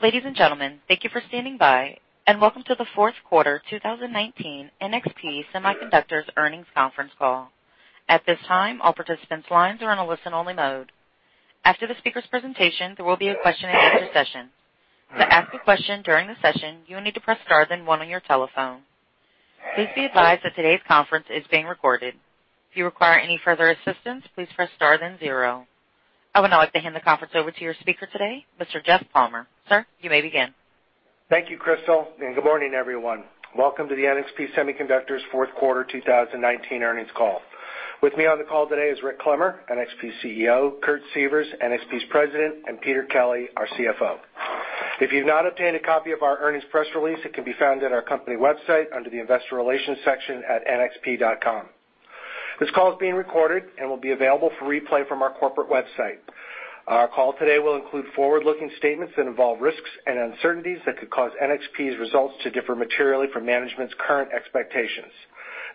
Ladies and gentlemen, thank you for standing by and welcome to the Q4 2019 NXP Semiconductors earnings conference call. At this time, all participants' lines are on a listen-only mode. After the speaker's presentation, there will be a question-and-answer session. To ask a question during the session, you will need to press star then one on your telephone. Please be advised that today's conference is being recorded. If you require any further assistance, please press star then zero. I would now like to hand the conference over to your speaker today, Mr. Jeff Palmer. Sir, you may begin. Thank you, Crystal, and good morning, everyone. Welcome to the NXP Semiconductors Q4 2019 earnings call. With me on the call today is Rick Clemmer, NXP CEO, Kurt Sievers, NXP's President, and Peter Kelly, our CFO. If you've not obtained a copy of our earnings press release, it can be found at our company website under the investor relations section at nxp.com. This call is being recorded and will be available for replay from our corporate website. Our call today will include forward-looking statements that involve risks and uncertainties that could cause NXP's results to differ materially from management's current expectations.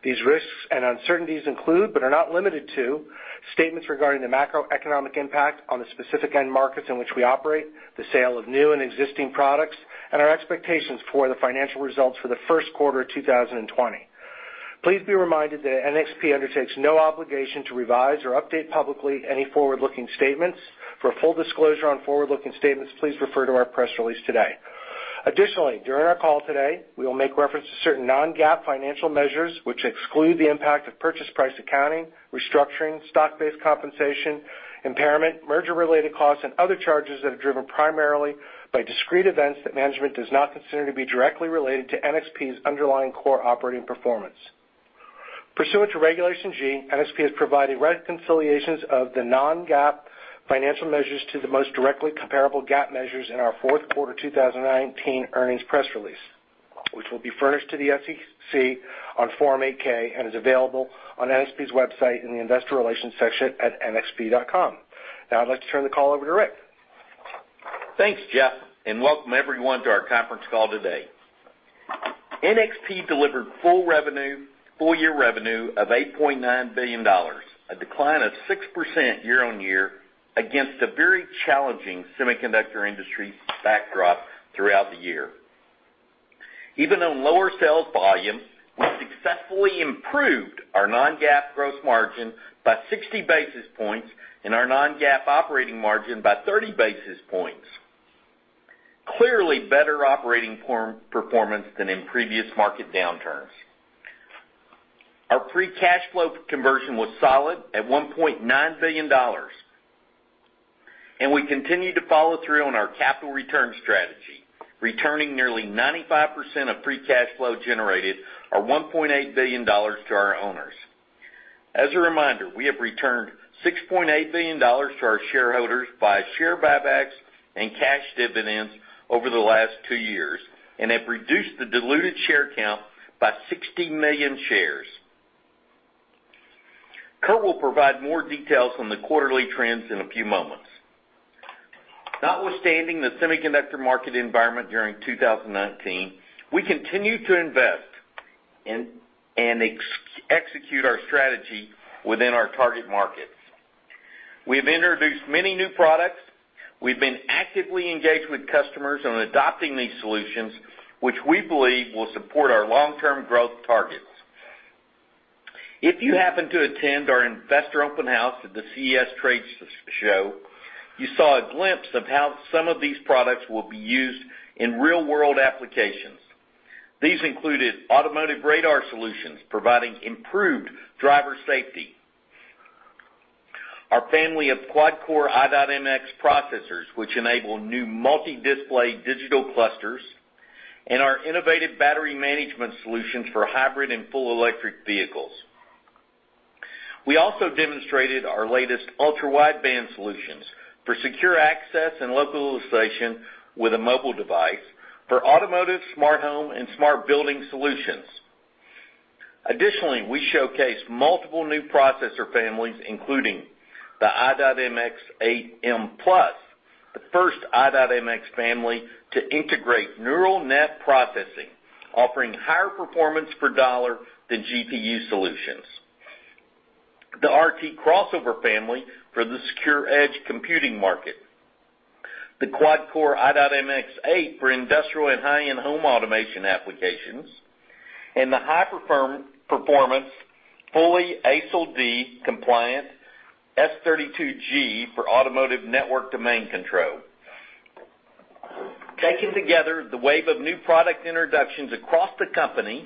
These risks and uncertainties include, but are not limited to, statements regarding the macroeconomic impact on the specific end markets in which we operate, the sale of new and existing products, and our expectations for the financial results for the Q1 2020. Please be reminded that NXP undertakes no obligation to revise or update publicly any forward-looking statements. For full disclosure on forward-looking statements, please refer to our press release today. Additionally, during our call today, we will make reference to certain non-GAAP financial measures which exclude the impact of purchase price accounting, restructuring, stock-based compensation, impairment, merger related costs, and other charges that are driven primarily by discrete events that management does not consider to be directly related to NXP's underlying core operating performance. Pursuant to Regulation G, NXP has provided reconciliations of the non-GAAP financial measures to the most directly comparable GAAP measures in our Q4 2019 earnings press release, which will be furnished to the SEC on Form 8-K and is available on NXP's website in the investor relations section at nxp.com. Now I'd like to turn the call over to Rick. Thanks, Jeff. Welcome everyone to our conference call today. NXP delivered full-year revenue of $8.9 billion, a decline of 6% year-on-year against a very challenging semiconductor industry backdrop throughout the year. Even on lower sales volumes, we successfully improved our non-GAAP gross margin by 60 basis points and our non-GAAP operating margin by 30 basis points. Clearly better operating performance than in previous market downturns. Our free cash flow conversion was solid at $1.9 billion. We continued to follow through on our capital return strategy, returning nearly 95% of free cash flow generated or $1.8 billion to our owners. As a reminder, we have returned $6.8 billion to our shareholders via share buybacks and cash dividends over the last two years and have reduced the diluted share count by 60 million shares. Kurt will provide more details on the quarterly trends in a few moments. Notwithstanding the semiconductor market environment during 2019, we continued to invest and execute our strategy within our target markets. We've introduced many new products. We've been actively engaged with customers on adopting these solutions, which we believe will support our long-term growth targets. If you happened to attend our investor open house at the CES trade show, you saw a glimpse of how some of these products will be used in real-world applications. These included automotive radar solutions providing improved driver safety, our family of quad core i.MX processors, which enable new multi-display digital clusters, and our innovative battery management solutions for hybrid and full electric vehicles. We also demonstrated our latest ultra-wideband solutions for secure access and localization with a mobile device for automotive, smart home, and smart building solutions. Additionally, we showcased multiple new processor families, including the i.MX 8M Plus, the first i.MX family to integrate neural net processing, offering higher performance per dollar than GPU solutions, the RT Crossover family for the secure edge computing market, the quad core i.MX 8 for industrial and high-end home automation applications, and the high-performance, fully ASIL D compliant S32G for automotive network domain control. Taken together, the wave of new product introductions across the company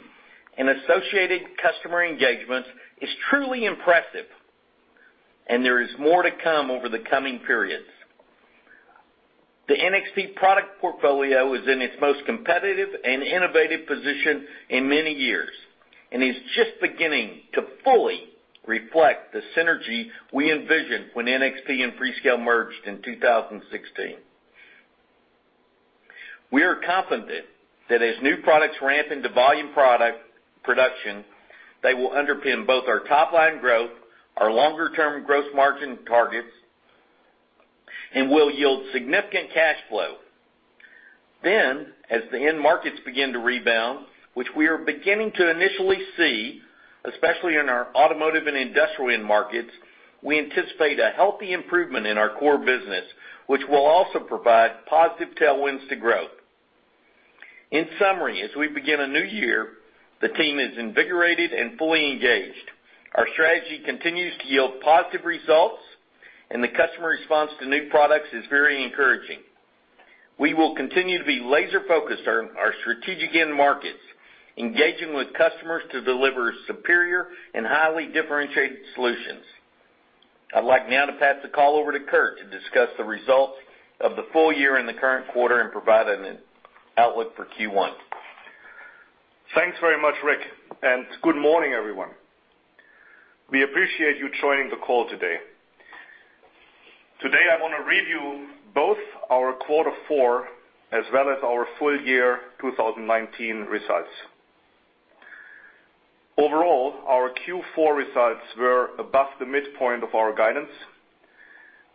and associated customer engagements is truly impressive, and there is more to come over the coming periods. The NXP product portfolio is in its most competitive and innovative position in many years and is just beginning to fully reflect the synergy we envisioned when NXP and Freescale merged in 2016. We are confident that as new products ramp into volume production, they will underpin both our top-line growth, our longer-term gross margin targets, and will yield significant cash flow. As the end markets begin to rebound, which we are beginning to initially see, especially in our automotive and industrial end markets, we anticipate a healthy improvement in our core business, which will also provide positive tailwinds to growth. In summary, as we begin a new year, the team is invigorated and fully engaged. Our strategy continues to yield positive results, and the customer response to new products is very encouraging. We will continue to be laser-focused on our strategic end markets, engaging with customers to deliver superior and highly differentiated solutions. I'd like now to pass the call over to Kurt to discuss the results of the full year and the current quarter and provide an outlook for Q1. Thanks very much, Rick. Good morning, everyone. We appreciate you joining the call today. Today, I want to review both our Q4 as well as our full year 2019 results. Overall, our Q4 results were above the midpoint of our guidance,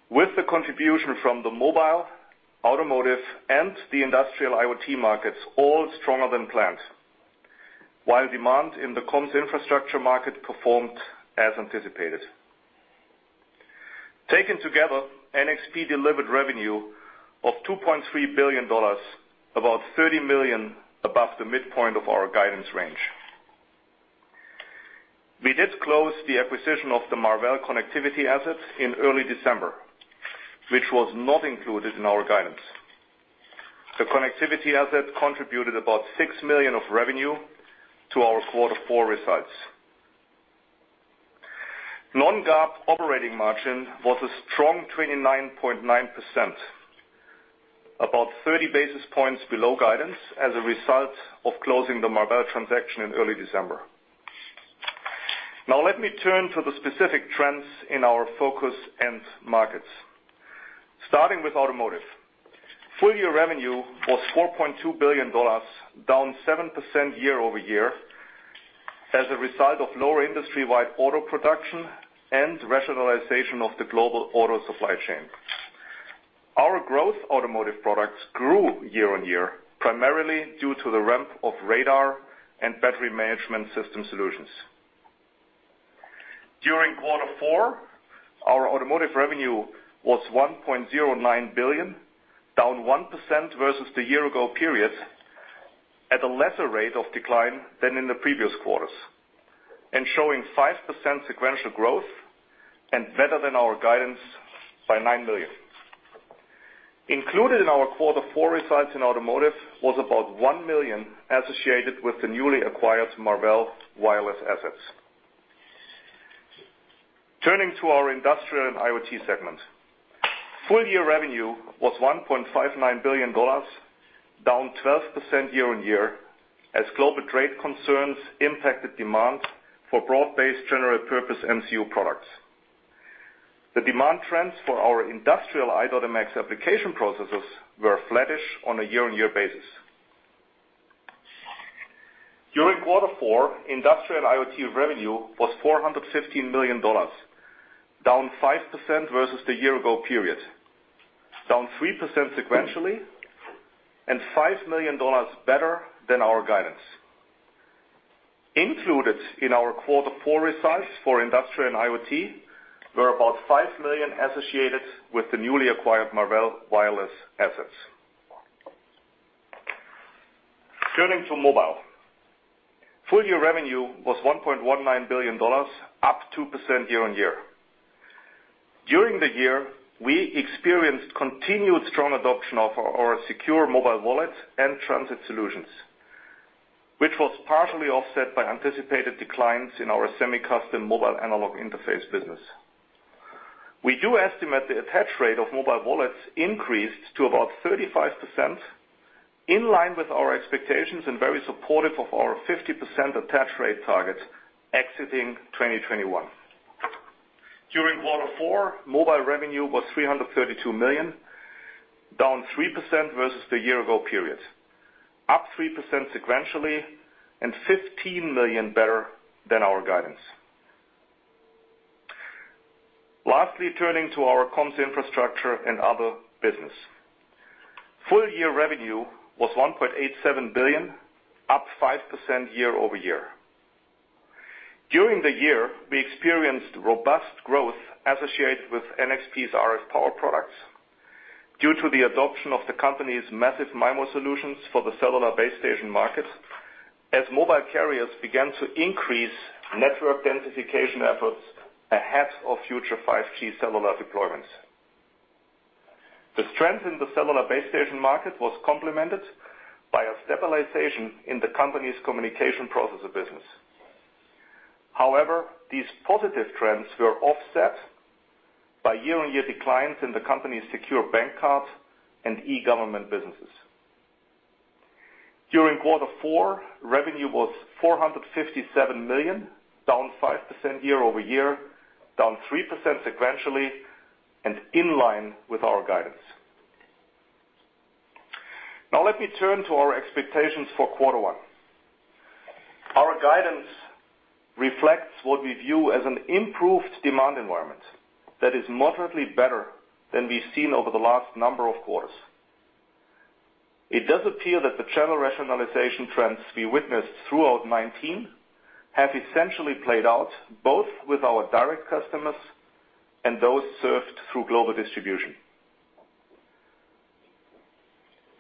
with the contribution from the mobile, automotive, and the industrial IoT markets all stronger than planned. While demand in the comms infrastructure market performed as anticipated. Taken together, NXP delivered revenue of $2.3 billion, about $30 million above the midpoint of our guidance range. We did close the acquisition of the Marvell connectivity asset in early December, which was not included in our guidance. The connectivity asset contributed about $6 million of revenue to our Q4 results. Non-GAAP operating margin was a strong 29.9%, about 30 basis points below guidance as a result of closing the Marvell transaction in early December. Let me turn to the specific trends in our focus end markets. Starting with Automotive. Full-year revenue was $4.2 billion, down 7% year-over-year as a result of lower industry-wide auto production and rationalization of the global auto supply chain. Our growth Automotive products grew year-on-year, primarily due to the ramp of radar and Battery Management System solutions. During Q4, our Automotive revenue was $1.09 billion, down 1% versus the year-ago period, at a lesser rate of decline than in the previous quarters and showing 5% sequential growth and better than our guidance by $9 million. Included in our Q4 results in Automotive was about $1 million associated with the newly acquired Marvell wireless assets. Turning to our Industrial and IoT segment. Full year revenue was $1.59 billion, down 12% year-on-year as global trade concerns impacted demand for broad-based general purpose MCU products. The demand trends for our industrial i.MX application processes were flattish on a year-on-year basis. During Q4, industrial IoT revenue was $415 million, down 5% versus the year-ago period, down 3% sequentially, and $5 million better than our guidance. Included in our Q4 results for industrial and IoT were about $5 million associated with the newly acquired Marvell wireless assets. Turning to mobile. Full year revenue was $1.19 billion, up 2% year-on-year. During the year, we experienced continued strong adoption of our secure mobile wallet and transit solutions, which was partially offset by anticipated declines in our semi-custom mobile analog interface business. We do estimate the attach rate of mobile wallets increased to about 35%, in line with our expectations and very supportive of our 50% attach rate target exiting 2021. During Q4, mobile revenue was $332 million, down 3% versus the year ago period, up 3% sequentially, and $15 million better than our guidance. Lastly, turning to our comms infrastructure and other business. Full year revenue was $1.87 billion, up 5% year-over-year. During the year, we experienced robust growth associated with NXP's RF power products due to the adoption of the company's Massive MIMO solutions for the cellular base station market as mobile carriers began to increase network densification efforts ahead of future 5G cellular deployments. The strength in the cellular base station market was complemented by a stabilization in the company's communication processor business. However, these positive trends were offset by year-on-year declines in the company's secure bank card and e-government businesses. During Q4, revenue was $457 million, down 5% year-over-year, down 3% sequentially, and in line with our guidance. Let me turn to our expectations for Q1. Our guidance reflects what we view as an improved demand environment that is moderately better than we've seen over the last number of quarters. It does appear that the channel rationalization trends we witnessed throughout 2019 have essentially played out both with our direct customers and those served through global distribution.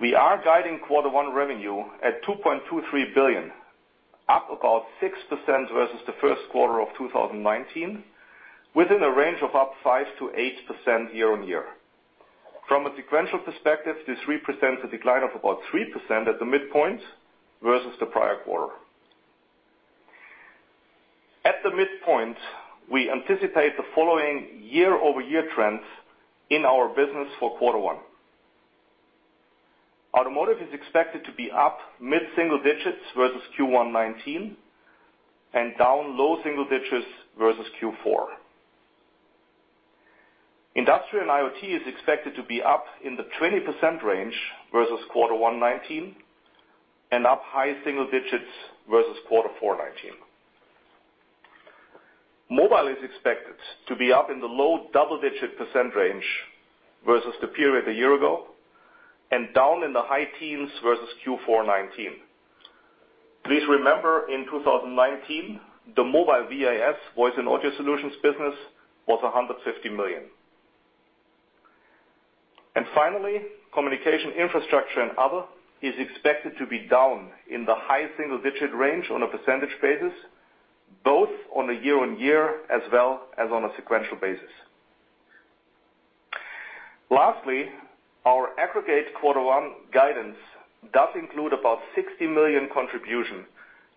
We are guiding Q1 revenue at $2.23 billion, up about 6% versus the Q1 of 2019, within a range of up 5%-8% year-on-year. From a sequential perspective, this represents a decline of about 3% at the midpoint versus the prior quarter. At the midpoint, we anticipate the following year-over-year trends in our business for Q1. Automotive is expected to be up mid-single digits versus Q1 2019 and down low single digits versus Q4. Industrial IoT is expected to be up in the 20% range versus Q1 2019 and up high single digits versus Q4 2019. Mobile is expected to be up in the low double-digit percent range versus the period a year ago and down in the high teens versus Q4 2019. Please remember, in 2019, the mobile VAS, voice and audio solutions business, was $150 million. Finally, communication infrastructure and other is expected to be down in the high single-digit range on a percentage basis, both on a year-on-year as well as on a sequential basis. Lastly, our aggregate Q1 guidance does include about $60 million contribution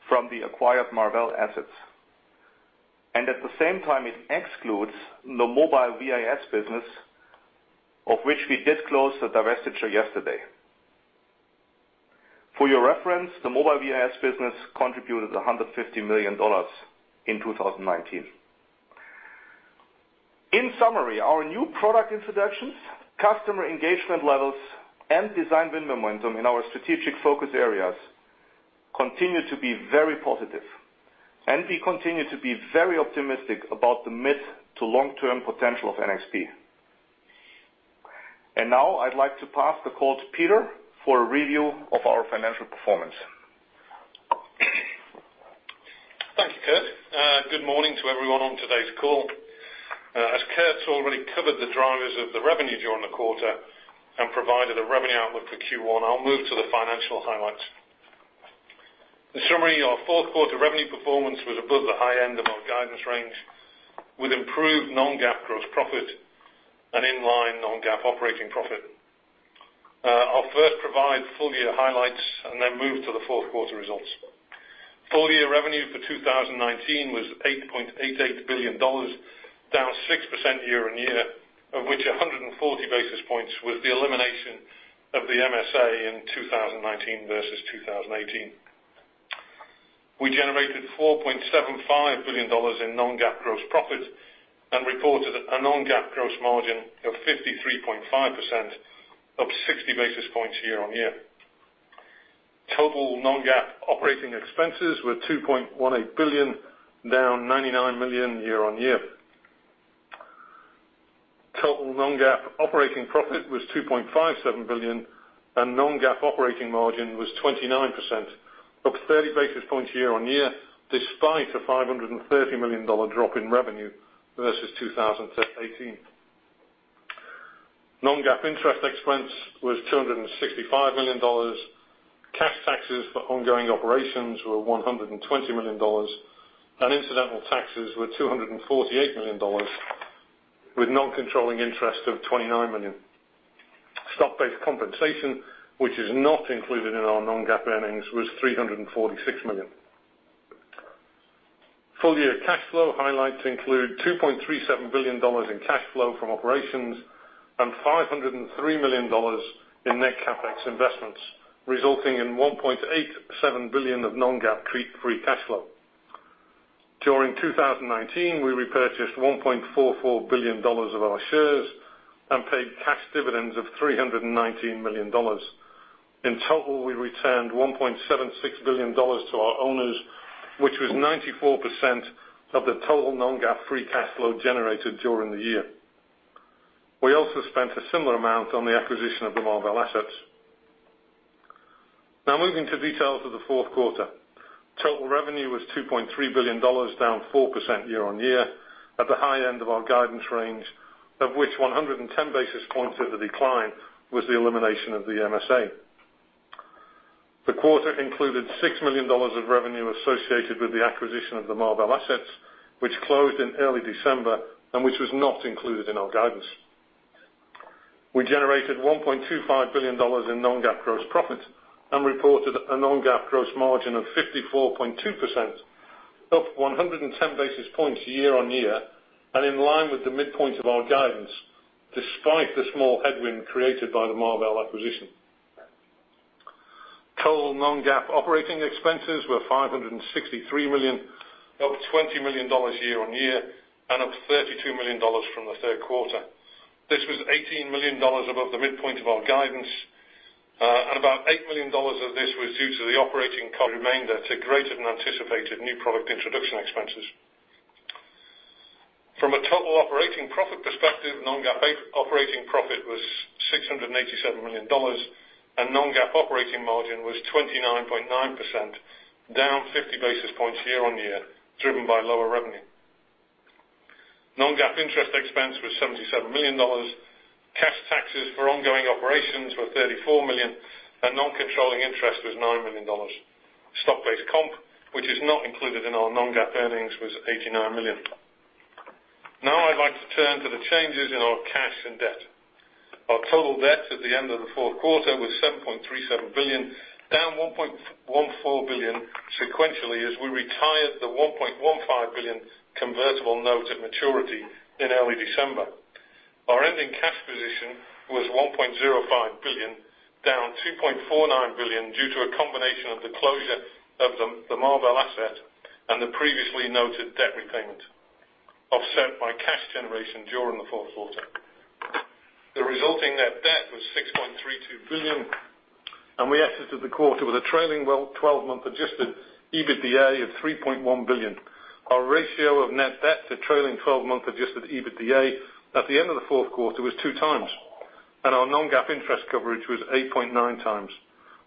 from the acquired Marvell assets. At the same time, it excludes the mobile VAS business, of which we disclosed the divestiture yesterday. For your reference, the mobile VAS business contributed $150 million in 2019. In summary, our new product introductions, customer engagement levels, and design win momentum in our strategic focus areas continue to be very positive, and we continue to be very optimistic about the mid to long-term potential of NXP. Now I'd like to pass the call to Peter for a review of our financial performance. Thank you, Kurt. Good morning to everyone on today's call. As Kurt's already covered the drivers of the revenue during the quarter and provided a revenue outlook for Q1, I'll move to the financial highlights. In summary, our Q4 revenue performance was above the high end of our guidance range, with improved non-GAAP gross profit and in-line non-GAAP operating profit. I'll first provide full year highlights and then move to the Q4 results. Full year revenue for 2019 was $8.88 billion, down 6% year-on-year, of which 140 basis points was the elimination of the MSA in 2019 versus 2018. We generated $4.75 billion in non-GAAP gross profit and reported a non-GAAP gross margin of 53.5%, up 60 basis points year-on-year. Total non-GAAP operating expenses were $2.18 billion, down $99 million year-on-year. Total non-GAAP operating profit was $2.57 billion and non-GAAP operating margin was 29%, up 30 basis points year-on-year, despite a $530 million drop in revenue versus 2018. Non-GAAP interest expense was $265 million. Cash taxes for ongoing operations were $120 million, and incidental taxes were $248 million, with non-controlling interest of $29 million. Stock-based compensation, which is not included in our non-GAAP earnings, was $346 million. Full year cash flow highlights include $2.37 billion in cash flow from operations and $503 million in net CapEx investments, resulting in $1.87 billion of non-GAAP free cash flow. During 2019, we repurchased $1.44 billion of our shares and paid cash dividends of $319 million. In total, we returned $1.76 billion to our owners, which was 94% of the total non-GAAP free cash flow generated during the year. We also spent a similar amount on the acquisition of the Marvell assets. Now moving to details of the Q4. Total revenue was $2.3 billion, down 4% year-on-year at the high end of our guidance range, of which 110 basis points of the decline was the elimination of the MSA. The quarter included $6 million of revenue associated with the acquisition of the Marvell assets, which closed in early December and which was not included in our guidance. We generated $1.25 billion in non-GAAP gross profit and reported a non-GAAP gross margin of 54.2%, up 110 basis points year-on-year and in line with the midpoint of our guidance, despite the small headwind created by the Marvell acquisition. Total non-GAAP operating expenses were $563 million, up $20 million year-on-year and up $32 million from the Q3. This was $18 million above the midpoint of our guidance. About $8 million of this was due to the operating remainder to greater than anticipated new product introduction expenses. From a total operating profit perspective, non-GAAP operating profit was $687 million and non-GAAP operating margin was 29.9%, down 50 basis points year-on-year, driven by lower revenue. Non-GAAP interest expense was $77 million. Cash taxes for ongoing operations were $34 million, and non-controlling interest was $9 million. Stock-based comp, which is not included in our non-GAAP earnings, was $89 million. Now I'd like to turn to the changes in our cash and debt. Our total debt at the end of the Q4 was $7.37 billion, down $1.14 billion sequentially as we retired the $1.15 billion convertible note at maturity in early December. Our ending cash position was $1.05 billion, down $2.49 billion due to a combination of the closure of the Marvell asset and the previously noted debt repayment, offset by cash generation during the Q4. The resulting net debt was $6.32 billion, and we exited the quarter with a trailing 12-month adjusted EBITDA of $3.1 billion. Our ratio of net debt to trailing 12-month adjusted EBITDA at the end of the Q4 was 2x, and our non-GAAP interest coverage was 8.9x.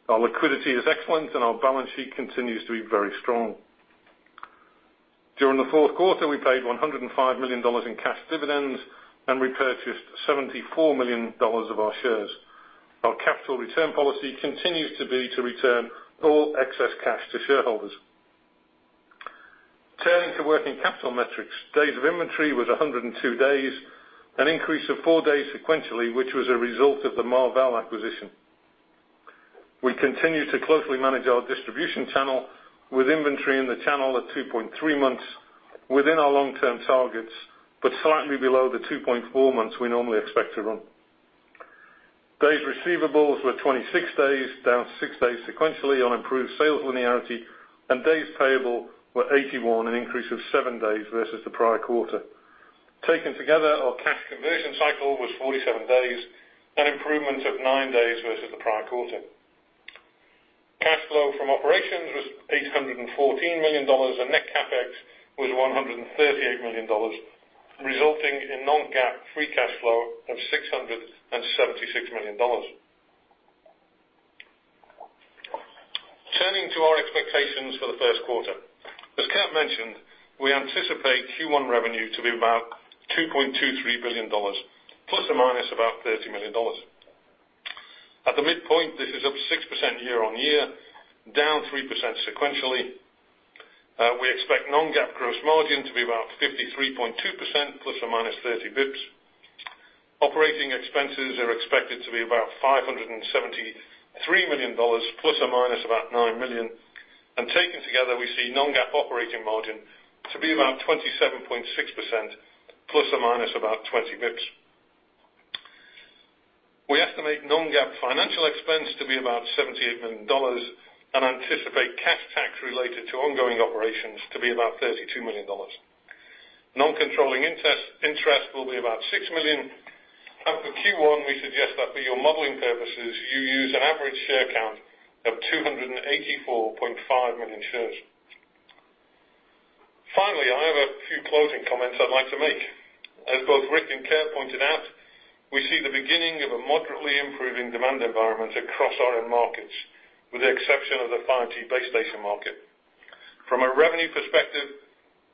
Our liquidity is excellent, and our balance sheet continues to be very strong. During the Q4, we paid $105 million in cash dividends and repurchased $74 million of our shares. Our capital return policy continues to be to return all excess cash to shareholders. Turning to working capital metrics, days of inventory was 102 days, an increase of four days sequentially, which was a result of the Marvell acquisition. We continue to closely manage our distribution channel with inventory in the channel at 2.3 months within our long-term targets, but slightly below the 2.4 months we normally expect to run. Days receivables were 26 days, down six days sequentially on improved sales linearity, and days payable were 81, an increase of seven days versus the prior quarter. Taken together, our cash conversion cycle was 47 days, an improvement of nine days versus the prior quarter. Cash flow from operations was $814 million, and net CapEx was $138 million, resulting in non-GAAP free cash flow of $676 million. Turning to our expectations for the Q1. As Kurt mentioned, we anticipate Q1 revenue to be about $2.23 billion, ±$30 million. At the midpoint, this is up 6% year-on-year, down 3% sequentially. We expect non-GAAP gross margin to be about 53.2%, ±30 basis points. Operating expenses are expected to be about $573 million, plus or minus about $9 million. Taken together, we see non-GAAP operating margin to be about 27.6%, plus or minus about 20 basis points. We estimate non-GAAP financial expense to be about $78 million and anticipate cash tax related to ongoing operations to be about $32 million. Non-controlling interest will be about $6 million. For Q1, we suggest that for your modeling purposes, you use an average share count of 284.5 million shares. Finally, I have a few closing comments I'd like to make. As both Rick and Kurt pointed out, we see the beginning of a moderately improving demand environment across our end markets, with the exception of the 5G base station market. From a revenue perspective,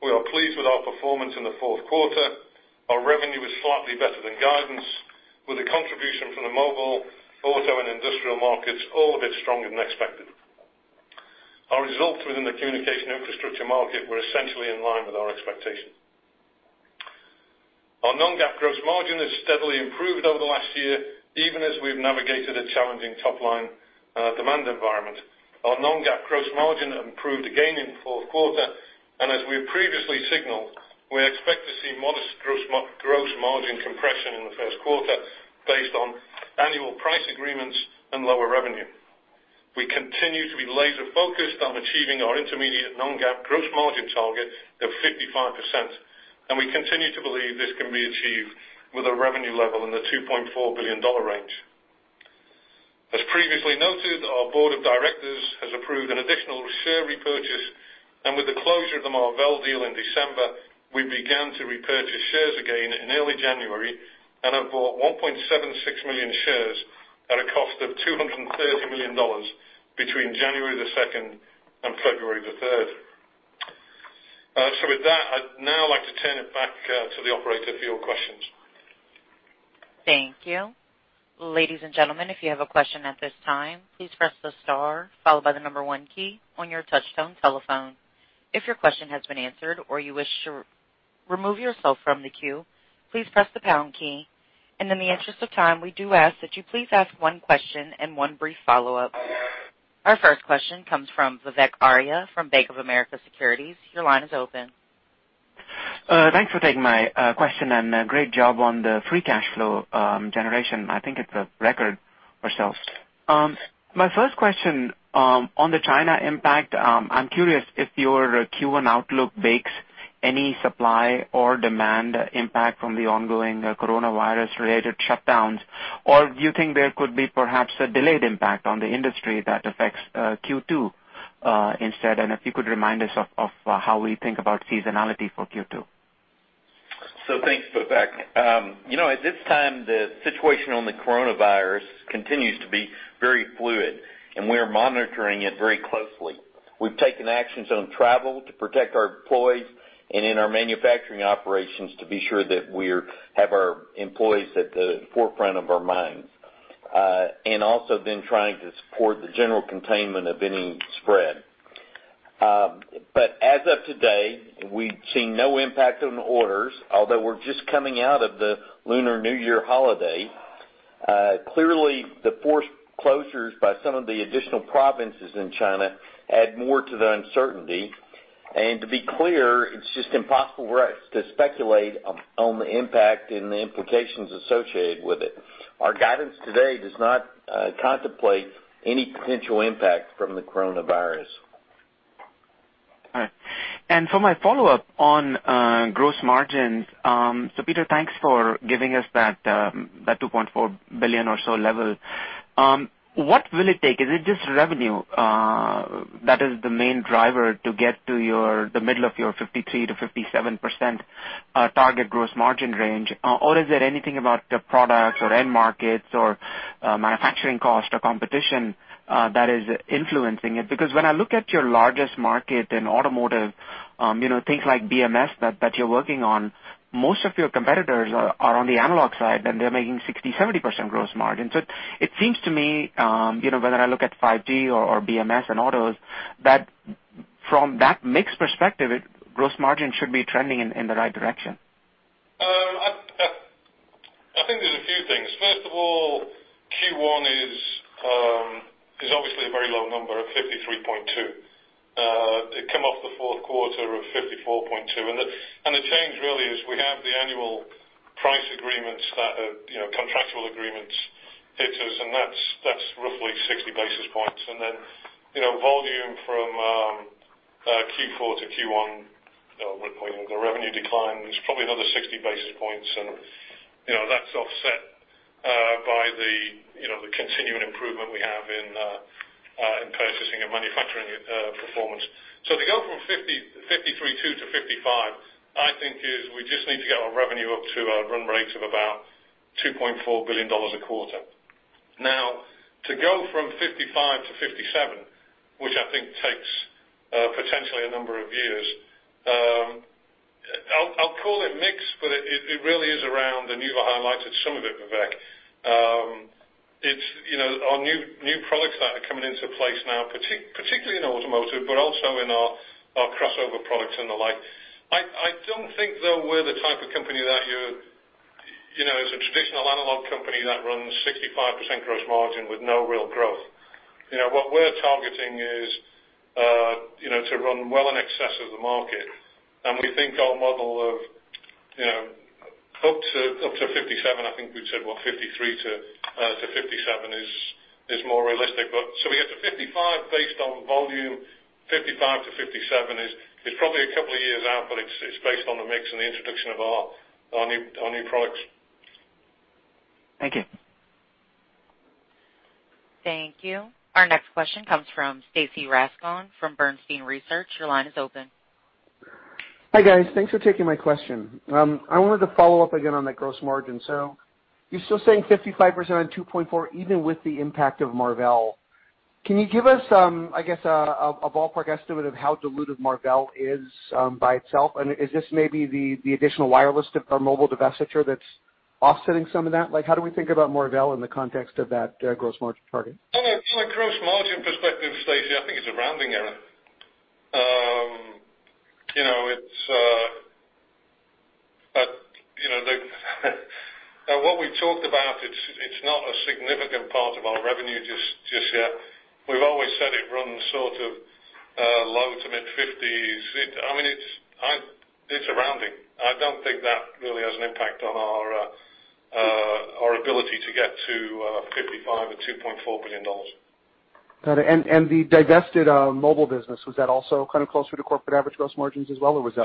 we are pleased with our performance in the Q4. Our revenue was slightly better than guidance, with the contribution from the mobile, auto, and industrial markets all a bit stronger than expected. Our results within the communication infrastructure market were essentially in line with our expectations. Our non-GAAP gross margin has steadily improved over the last year, even as we've navigated a challenging top-line demand environment. Our non-GAAP gross margin improved again in the Q4, and as we have previously signaled, we expect to see modest gross margin compression in the Q1 based on annual price agreements and lower revenue. We continue to be laser-focused on achieving our intermediate non-GAAP gross margin target of 55%, and we continue to believe this can be achieved with a revenue level in the $2.4 billion range. As previously noted, our board of directors has approved an additional share repurchase, and with the closure of the Marvell deal in December, we began to repurchase shares again in early January and have bought 1.76 million shares at a cost of $230 million between January 2nd and February 3rd. With that, I'd now like to turn it back to the operator for your questions. Thank you. Ladies and gentlemen, if you have a question at this time, please press the star followed by the number one key on your touch-tone telephone. If your question has been answered or you wish to remove yourself from the queue, please press the pound key. In the interest of time, we do ask that you please ask one question and one brief follow-up. Our first question comes from Vivek Arya from Bank of America. Your line is open. Thanks for taking my question. Great job on the free cash flow generation. I think it's a record or so. My first question on the China impact. I'm curious if your Q1 outlook bakes any supply or demand impact from the ongoing coronavirus-related shutdowns? Do you think there could be perhaps a delayed impact on the industry that affects Q2 instead? If you could remind us of how we think about seasonality for Q2. Thanks, Vivek. At this time, the situation on the coronavirus continues to be very fluid, and we are monitoring it very closely. We've taken actions on travel to protect our employees and in our manufacturing operations to be sure that we have our employees at the forefront of our minds. Also then trying to support the general containment of any spread. As of today, we've seen no impact on the orders, although we're just coming out of the Lunar New Year holiday. Clearly, the forced closures by some of the additional provinces in China add more to the uncertainty. To be clear, it's just impossible for us to speculate on the impact and the implications associated with it. Our guidance today does not contemplate any potential impact from the coronavirus. All right. For my follow-up on gross margins. Peter, thanks for giving us that $2.4 billion or so level. What will it take? Is it just revenue that is the main driver to get to the middle of your 53%-57% target gross margin range? Is there anything about the products or end markets or manufacturing cost or competition that is influencing it? When I look at your largest market in automotive, things like BMS that you're working on, most of your competitors are on the analog side, and they're making 60%-70% gross margin. It seems to me, whether I look at 5G or BMS and autos, that from that mix perspective, gross margin should be trending in the right direction. I think there's a few things. First of all, Q1 is obviously a very low number of 53.2. It came off the Q4 of 54.2. The change really is we have the annual price agreements that, contractual agreements hit us, and that's roughly 60 basis points. Volume from Q4-Q1, the revenue decline was probably another 60 basis points. That's offset by the continuing improvement we have in purchasing and manufacturing performance. To go from 53.2-55, I think is we just need to get our revenue up to a run rate of about $2.4 billion a quarter. To go from 55-57, which I think takes potentially a number of years, I'll call it mix, but it really is around, and you've highlighted some of it, Vivek. It's our new products that are coming into place now, particularly in automotive, but also in our crossover products and the like. I don't think, though, we're the type of company as a traditional analog company that runs 65% gross margin with no real growth. We're targeting is to run well in excess of the market. We think our model of up to 57, I think we've said, well, 53-57 is more realistic. So we get to 55 based on volume. 55-57 is probably a couple of years out, but it's based on the mix and the introduction of our new products. Thank you. Thank you. Our next question comes from Stacy Rasgon from Bernstein Research. Your line is open. Hi, guys. Thanks for taking my question. I wanted to follow-up again on that gross margin. You're still saying 55% on $2.4 billion even with the impact of Marvell. Can you give us, I guess, a ballpark estimate of how diluted Marvell is by itself? Is this maybe the additional wireless mobile divestiture that's offsetting some of that? How do we think about Marvell in the context of that gross margin target? From a gross margin perspective, Stacy, I think it's a rounding error. What we talked about, it's not a significant part of our revenue just yet. We've always said it runs sort of low to mid-50s. It's a rounding. I don't think that really has an impact on our ability to get to 55% or $2.4 billion. Got it. The divested mobile business, was that also kind of closer to corporate average gross margins as well, or was that?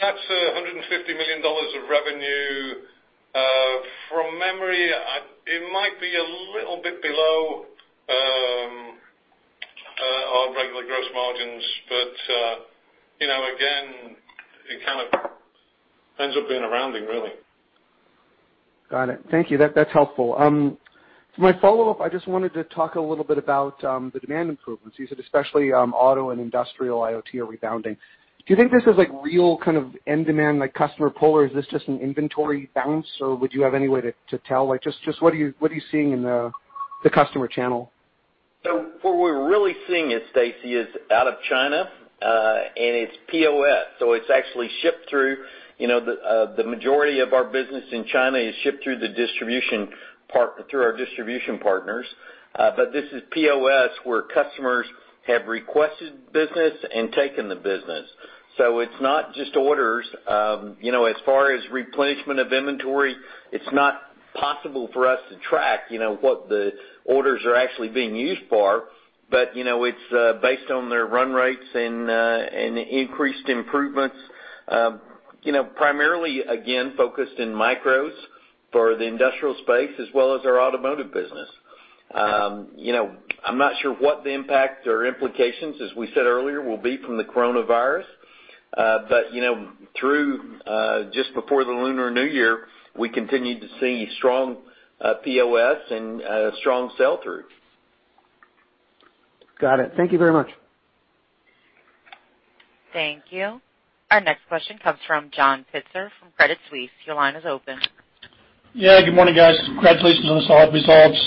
That's $150 million of revenue. From memory, it might be a little bit below our regular gross margins. Again, it kind of ends up being a rounding, really. Got it. Thank you. That's helpful. For my follow-up, I just wanted to talk a little bit about the demand improvements. You said especially auto and industrial IoT are rebounding. Do you think this is real kind of end demand, like customer pull, or is this just an inventory bounce? Would you have any way to tell? Just what are you seeing in the customer channel? What we're really seeing is, Stacy, is out of China, and it's POS, so it's actually shipped through. The majority of our business in China is shipped through our distribution partners. This is POS, where customers have requested business and taken the business. It's not just orders. As far as replenishment of inventory, it's not possible for us to track what the orders are actually being used for. It's based on their run rates and increased improvements. Primarily, again, focused in micros for the industrial space as well as our automotive business. I'm not sure what the impact or implications, as we said earlier, will be from the coronavirus. Through just before the Lunar New Year, we continued to see strong POS and strong sell-through. Got it. Thank you very much. Thank you. Our next question comes from John Pitzer from Credit Suisse. Your line is open. Good morning, guys. Congratulations on the solid results.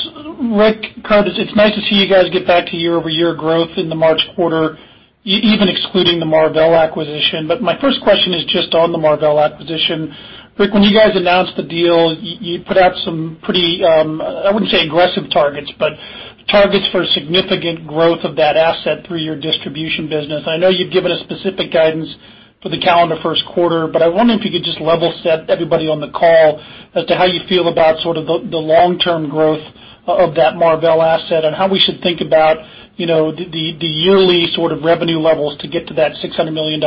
Rick, Kurt, it's nice to see you guys get back to year-over-year growth in the March quarter, even excluding the Marvell acquisition. My first question is just on the Marvell acquisition. Rick, when you guys announced the deal, you put out some pretty, I wouldn't say aggressive targets, but targets for significant growth of that asset through your distribution business. I know you've given a specific guidance for the calendar Q1, I wonder if you could just level set everybody on the call as to how you feel about sort of the long-term growth of that Marvell asset, and how we should think about the yearly sort of revenue levels to get to that $600 million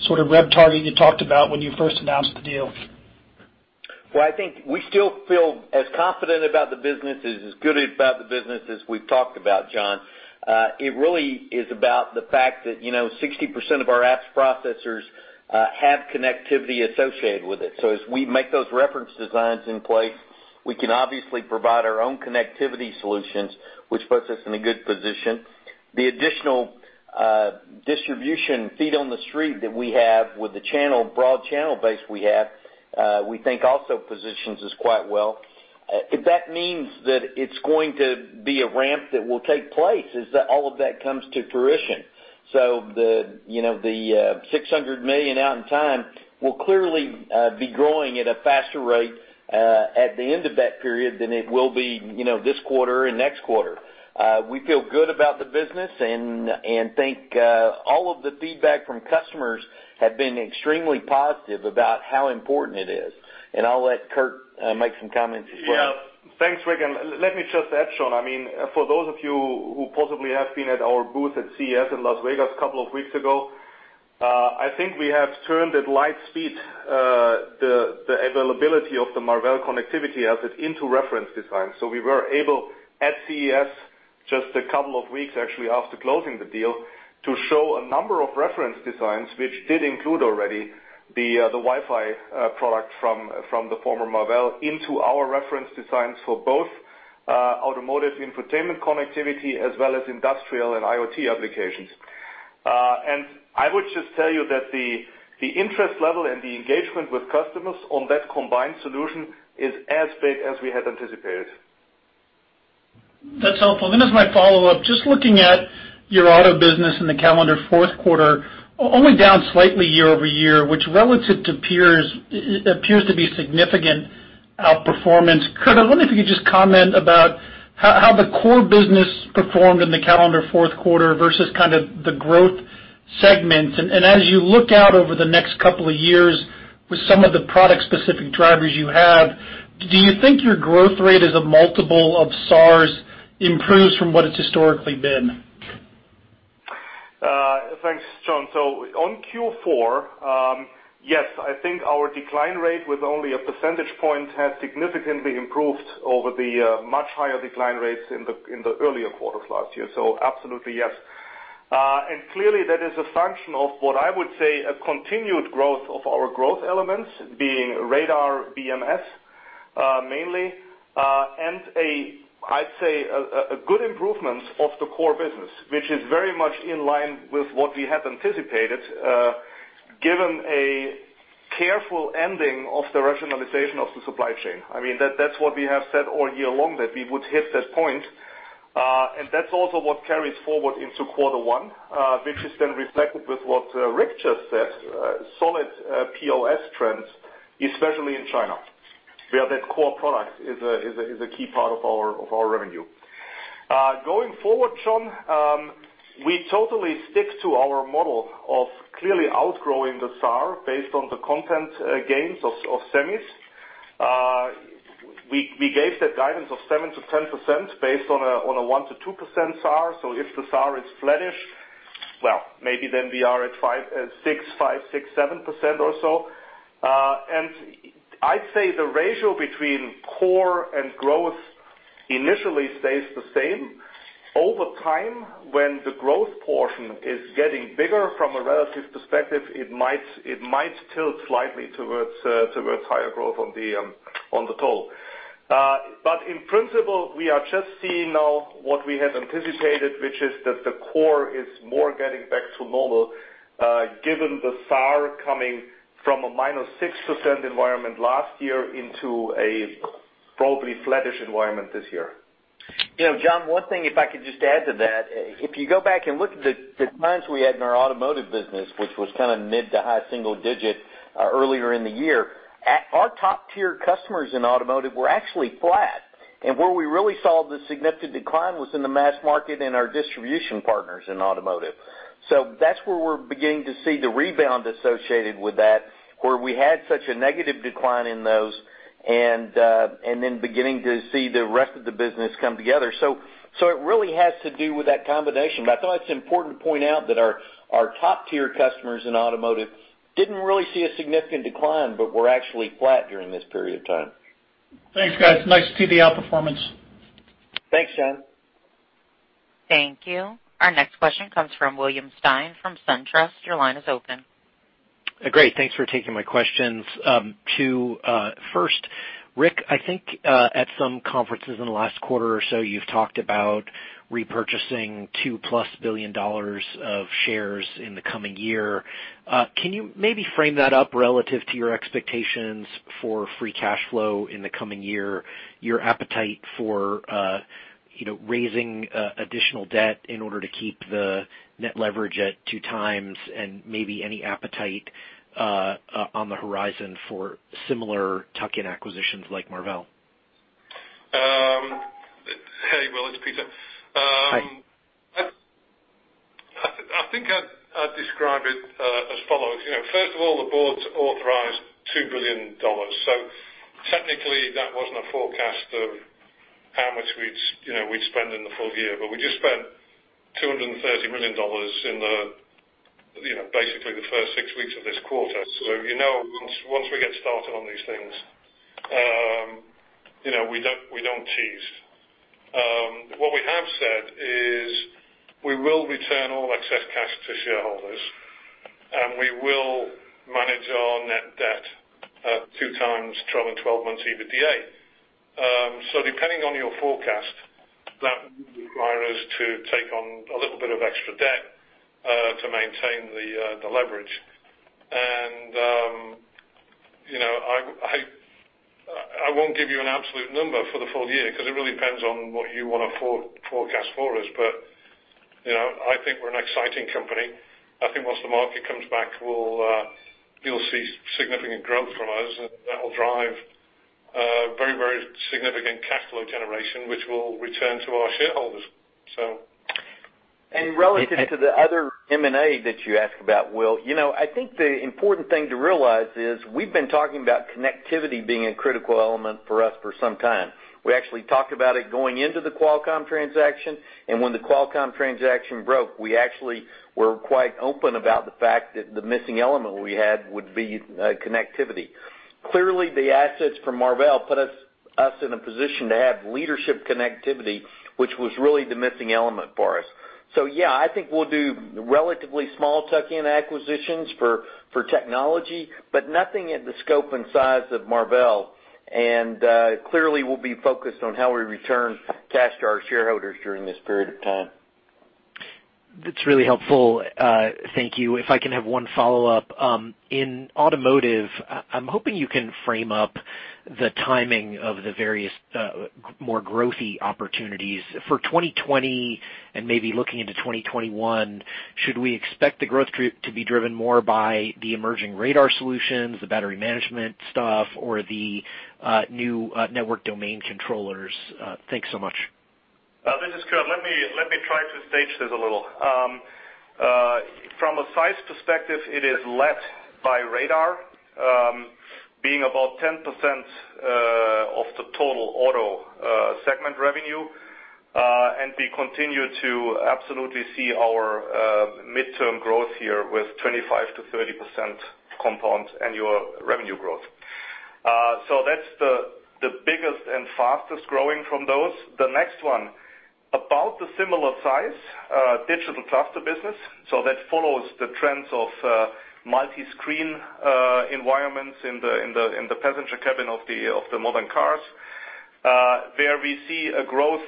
sort of rev target you talked about when you first announced the deal. Well, I think we still feel as confident about the business, as good about the business as we've talked about, John. It really is about the fact that 60% of our apps processors have connectivity associated with it. As we make those reference designs in place, we can obviously provide our own connectivity solutions, which puts us in a good position. The additional distribution feet on the street that we have with the broad channel base we have, we think also positions us quite well. That means that it's going to be a ramp that will take place as all of that comes to fruition. The $600 million out in time will clearly be growing at a faster rate, at the end of that period than it will be this quarter and next quarter. We feel good about the business, think all of the feedback from customers have been extremely positive about how important it is. I'll let Kurt make some comments as well. Yeah. Thanks, Rick. Let me just add, John, for those of you who possibly have been at our booth at CES in Las Vegas a couple of weeks ago, I think we have turned at light speed, the availability of the Marvell connectivity asset into reference design. So we were able at CES just a couple of weeks, actually, after closing the deal, to show a number of reference designs, which did include already the Wi-Fi product from the former Marvell into our reference designs for both automotive infotainment connectivity as well as industrial and IoT applications. I would just tell you that the interest level and the engagement with customers on that combined solution is as big as we had anticipated. That's helpful. As my follow-up, just looking at your auto business in the calendar Q4, only down slightly year-over-year, which relative to peers appears to be significant outperformance. Kurt, I wonder if you could just comment about how the core business performed in the calendar Q4 versus kind of the growth segments. As you look out over the next couple of years with some of the product-specific drivers you have, do you think your growth rate as a multiple of SAR improves from what it's historically been? Thanks, John. On Q4, yes, I think our decline rate with only a percentage point has significantly improved over the much higher decline rates in the earlier quarters last year. Absolutely, yes. Clearly, that is a function of what I would say, a continued growth of our growth elements being radar, BMS, mainly, and I'd say a good improvement of the core business. Which is very much in line with what we had anticipated, given a careful ending of the rationalization of the supply chain. That's what we have said all year long, that we would hit that point. That's also what carries forward into Q1, which is then reflected with what Rick just said, solid POS trends, especially in China, where that core product is a key part of our revenue. Going forward, John, we totally stick to our model of clearly outgrowing the SAR based on the content gains of semis. We gave that guidance of 7%-10% based on a 1%-2% SAR. If the SAR is flattish, well, maybe then we are at 5%, 6%, 7% or so. I'd say the ratio between core and growth initially stays the same. Over time, when the growth portion is getting bigger from a relative perspective, it might tilt slightly towards higher growth on the total. In principle, we are just seeing now what we had anticipated, which is that the core is more getting back to normal, given the SAR coming from a -6% environment last year into a probably flattish environment this year. John, one thing if I could just add to that. If you go back and look at the declines we had in our automotive business, which was kind of mid to high single digit earlier in the year, our top-tier customers in automotive were actually flat. Where we really saw the significant decline was in the mass market and our distribution partners in automotive. That's where we're beginning to see the rebound associated with that, where we had such a negative decline in those and then beginning to see the rest of the business come together. It really has to do with that combination. I thought it's important to point out that our top-tier customers in automotive didn't really see a significant decline but were actually flat during this period of time. Thanks, guys. Nice to see the outperformance. Thanks, John. Thank you. Our next question comes from William Stein from SunTrust. Your line is open. Great. Thanks for taking my questions. To first, Rick, I think at some conferences in the last quarter or so, you've talked about repurchasing $2+ billion of shares in the coming year. Can you maybe frame that up relative to your expectations for free cash flow in the coming year, your appetite for raising additional debt in order to keep the net leverage at 2x, and maybe any appetite on the horizon for similar tuck-in acquisitions like Marvell? Hey, Will, it's Peter. Hi. I think I'd describe it as follows. First of all, the board's authorized $2 billion. Technically, that wasn't a forecast of how much we'd spend in the full year. We just spent $230 million in basically the first six weeks of this quarter. You know once we get started on these things, we don't tease. What we have said is we will return all excess cash to shareholders, and we will manage our net debt at 2x trailing 12 months EBITDA. Depending on your forecast, that would require us to take on a little bit of extra debt to maintain the leverage. I won't give you an absolute number for the full year because it really depends on what you want to forecast for us. I think we're an exciting company. I think once the market comes back, you'll see significant growth from us, and that will drive very significant cash flow generation, which we'll return to our shareholders. Relative to the other M&A that you asked about, Will, I think the important thing to realize is we've been talking about connectivity being a critical element for us for some time. We actually talked about it going into the Qualcomm transaction, and when the Qualcomm transaction broke, we actually were quite open about the fact that the missing element we had would be connectivity. Clearly, the assets from Marvell put us in a position to have leadership connectivity, which was really the missing element for us. Yeah, I think we'll do relatively small tuck-in acquisitions for technology, but nothing at the scope and size of Marvell. Clearly, we'll be focused on how we return cash to our shareholders during this period of time. That's really helpful. Thank you. If I can have one follow-up. In automotive, I'm hoping you can frame up the timing of the various more growthy opportunities for 2020 and maybe looking into 2021. Should we expect the growth to be driven more by the emerging radar solutions, the battery management stuff, or the new network domain controllers? Thanks so much. This is Kurt. Let me try to stage this a little. From a size perspective, it is led by radar being about 10% of the total auto segment revenue. We continue to absolutely see our midterm growth here with 25%-30% compound annual revenue growth. That's the biggest and fastest-growing from those. The next one, about the similar size, digital cluster business. That follows the trends of multi-screen environments in the passenger cabin of the modern cars. There we see a growth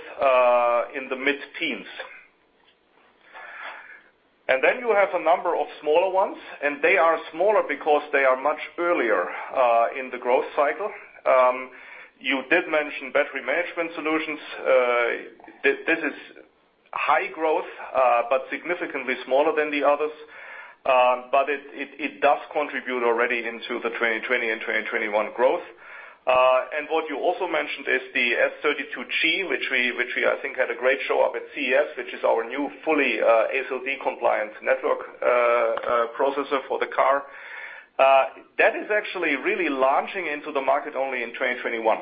in the mid-teens. Then you have a number of smaller ones, and they are smaller because they are much earlier in the growth cycle. You did mention battery management solutions. This is high growth, but significantly smaller than the others. It does contribute already into the 2020 and 2021 growth. What you also mentioned is the S32G, which we, I think had a great show up at CES, which is our new fully ASIL D-compliant network processor for the car. That is actually really launching into the market only in 2021.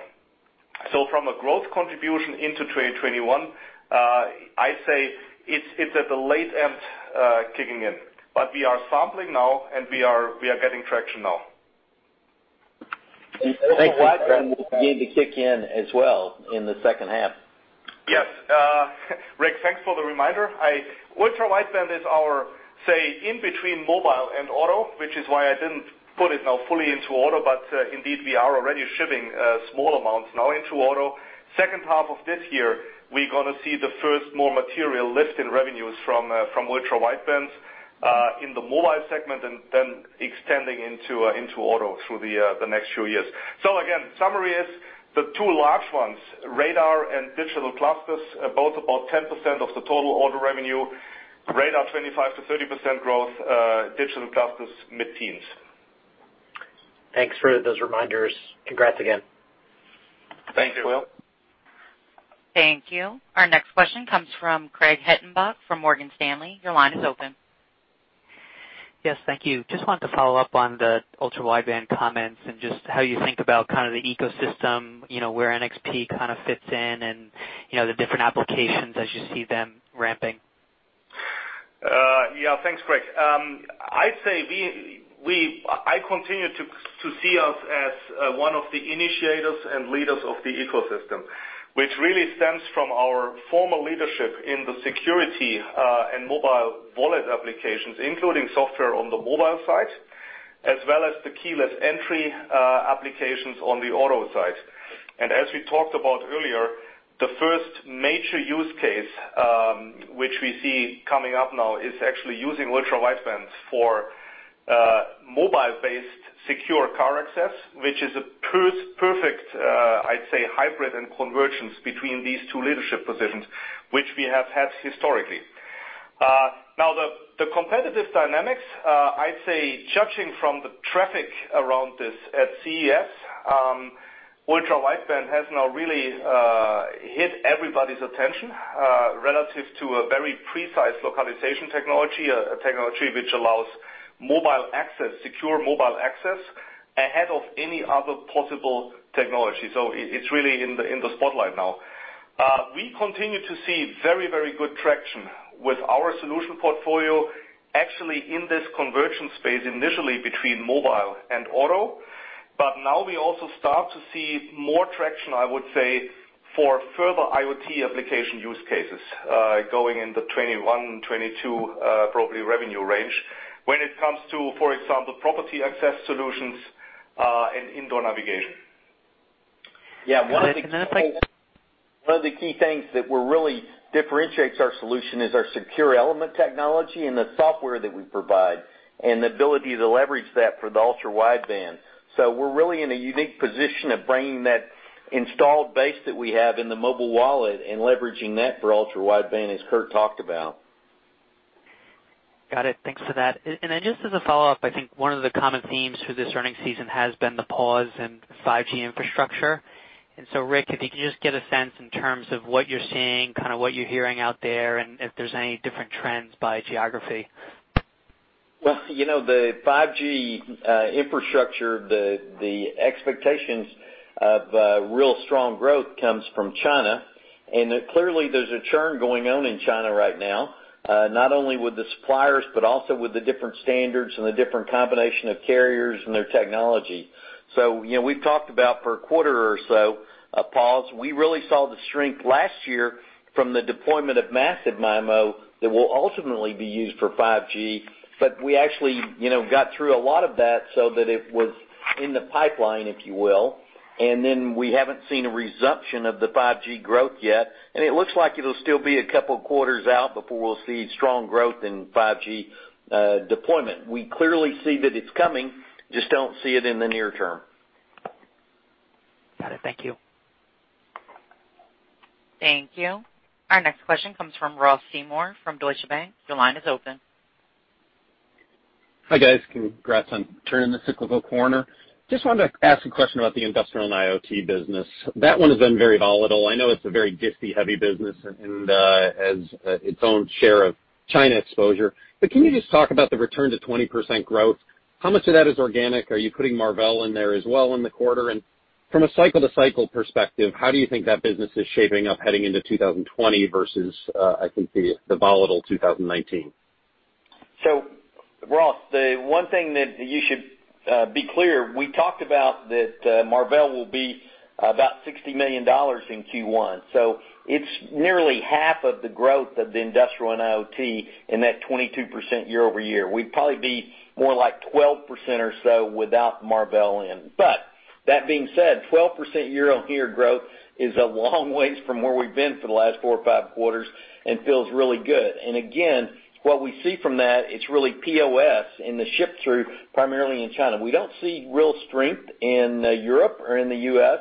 From a growth contribution into 2021, I'd say it's at the late end kicking in. We are sampling now, and we are getting traction now. ultra-wideband will begin to kick in as well in the H2. Yes. Rick, thanks for the reminder. Ultra Wideband is our, say, in between mobile and auto, which is why I didn't put it now fully into auto. Indeed, we are already shipping small amounts now into auto. H2 of this year, we're going to see the first more material lift in revenues from Ultra Wideband in the mobile segment. Then extending into auto through the next few years. Again, summary is the two large ones, radar and digital clusters, both about 10% of the total auto revenue. Radar, 25%-30% growth. Digital clusters, mid-teens. Thanks for those reminders. Congrats again. Thank you, Will. Thank you. Our next question comes from Craig Hettenbach from Morgan Stanley. Your line is open. Yes, thank you. Just wanted to follow up on the ultra-wideband comments and just how you think about the ecosystem, where NXP fits in and the different applications as you see them ramping. Yeah. Thanks, Craig. I'd say I continue to see us as one of the initiators and leaders of the ecosystem, which really stems from our former leadership in the security, and mobile wallet applications, including software on the mobile side, as well as the keyless entry applications on the auto side. As we talked about earlier, the first major use case, which we see coming up now, is actually using ultra-wideband for mobile-based secure car access, which is a perfect, I'd say, hybrid and convergence between these two leadership positions, which we have had historically. Now, the competitive dynamics, I'd say, judging from the traffic around this at CES, ultra-wideband has now really hit everybody's attention, relative to a very precise localization technology, a technology which allows secure mobile access ahead of any other possible technology. It's really in the spotlight now. We continue to see very good traction with our solution portfolio, actually in this conversion space, initially between mobile and auto. Now we also start to see more traction, I would say, for further IoT application use cases, going into 2021, 2022, probably revenue range when it comes to, for example, property access solutions, and indoor navigation. Got it. One of the key things that really differentiates our solution is our secure element technology and the software that we provide, and the ability to leverage that for the ultra-wideband. We're really in a unique position of bringing that installed base that we have in the mobile wallet and leveraging that for ultra-wideband, as Kurt talked about. Got it. Thanks for that. Then just as a follow-up, I think one of the common themes for this earning season has been the pause in 5G infrastructure. So Rick, if you could just get a sense in terms of what you're seeing, what you're hearing out there, and if there's any different trends by geography. The 5G infrastructure, the expectations of real strong growth comes from China. Clearly, there's a churn going on in China right now, not only with the suppliers, but also with the different standards and the different combination of carriers and their technology. We've talked about for a quarter or so, a pause. We really saw the strength last year from the deployment of Massive MIMO that will ultimately be used for 5G. We actually got through a lot of that so that it was in the pipeline, if you will, and then we haven't seen a resumption of the 5G growth yet. It looks like it'll still be a couple of quarters out before we'll see strong growth in 5G deployment. We clearly see that it's coming, just don't see it in the near-term. Got it. Thank you. Thank you. Our next question comes from Ross Seymore from Deutsche Bank. Your line is open. Hi, guys. Congrats on turning the cyclical corner. Just wanted to ask a question about the industrial and IoT business. That one has been very volatile. I know it's a very disti-heavy business and has its own share of China exposure. Can you just talk about the return to 20% growth? How much of that is organic? Are you putting Marvell in there as well in the quarter? From a cycle-to-cycle perspective, how do you think that business is shaping up heading into 2020 versus, I think, the volatile 2019? Ross, the one thing that you should be clear, we talked about that Marvell will be about $60 million in Q1. It's nearly half of the growth of the industrial and IoT in that 22% year-over-year. We'd probably be more like 12% or so without Marvell in. That being said, 12% year-on-year growth is a long ways from where we've been for the last four or five quarters and feels really good. Again, what we see from that, it's really POS and the ship through primarily in China. We don't see real strength in Europe or in the U.S.,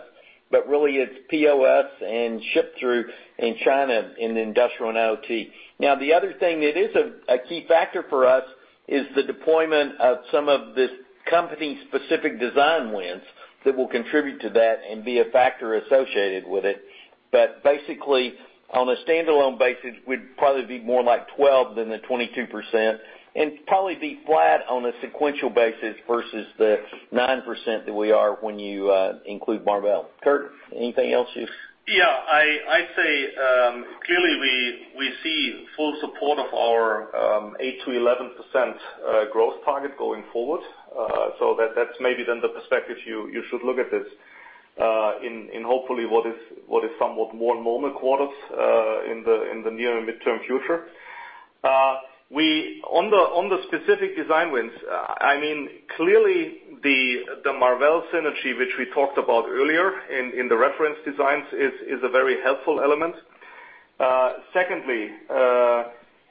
but really it's POS and ship through in China in industrial and IoT. The other thing that is a key factor for us is the deployment of some of the company-specific design wins that will contribute to that and be a factor associated with it. Basically, on a standalone basis, we'd probably be more like 12% than the 22%, and probably be flat on a sequential basis versus the 9% that we are when you include Marvell. Kurt, anything else. Yeah, I'd say, clearly we see full support of our 8%-11% growth target going forward. That's maybe then the perspective you should look at this, in hopefully what is somewhat more normal quarters, in the near and midterm future. On the specific design wins, clearly the Marvell synergy, which we talked about earlier in the reference designs, is a very helpful element. Secondly,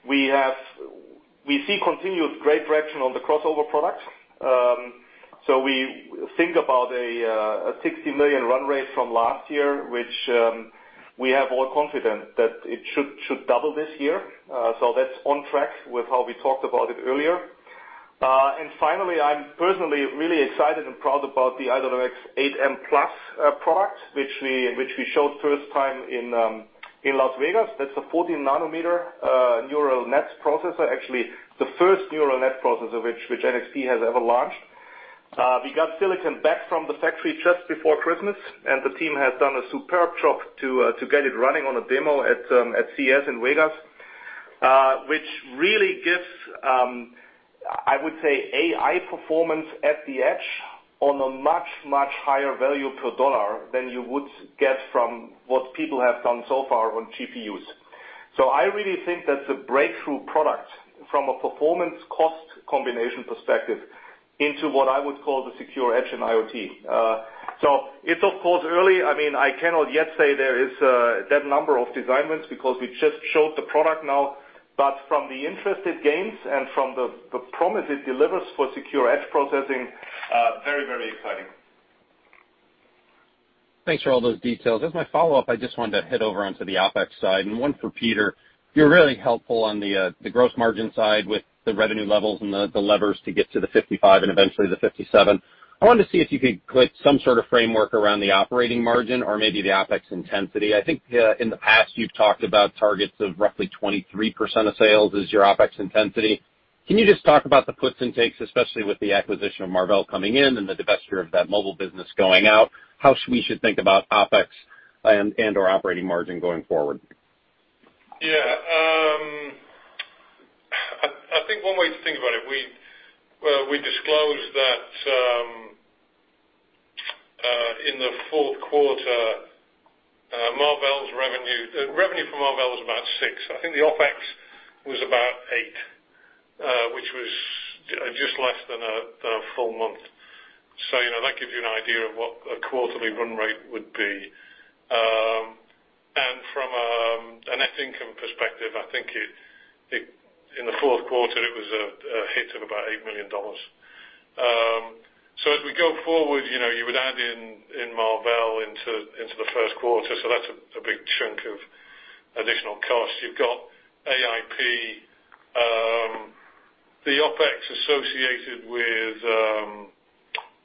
we see continued great traction on the crossover products. We think about a $60 million run rate from last year. We have all confidence that it should double this year. That's on track with how we talked about it earlier. Finally, I'm personally really excited and proud about the i.MX 8M Plus product, which we showed first time in Las Vegas. That's the 14 nm neural nets processor, actually the first neural net processor which NXP has ever launched. We got silicon back from the factory just before Christmas, and the team has done a superb job to get it running on a demo at CES in Vegas, which really gives, I would say, AI performance at the edge on a much, much higher value per dollar than you would get from what people have done so far on GPUs. I really think that's a breakthrough product from a performance cost combination perspective into what I would call the secure edge in IoT. It's of course early. I cannot yet say there is that number of design wins because we just showed the product now. From the interest it gains and from the promise it delivers for secure edge processing, very exciting. Thanks for all those details. As my follow-up, I just wanted to head over onto the OpEx side and one for Peter. You're really helpful on the gross margin side with the revenue levels and the levers to get to the 55 and eventually the 57. I wanted to see if you could put some sort of framework around the operating margin or maybe the OpEx intensity. I think in the past you've talked about targets of roughly 23% of sales is your OpEx intensity. Can you just talk about the puts and takes, especially with the acquisition of Marvell coming in and the divesture of that mobile business going out, how we should think about OpEx and/or operating margin going forward? Yeah. I think one way to think about it, we disclosed that in the Q4, revenue from Marvell was about six. I think the OpEx was about eight, which was just less than a full month. That gives you an idea of what a quarterly run rate would be. From a net income perspective, I think in the Q4 it was a hit of about $8 million. As we go forward, you would add in Marvell into the Q1. That's a big chunk of additional costs. You've got AIP. The OpEx associated with